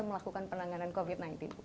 melakukan penanganan covid sembilan belas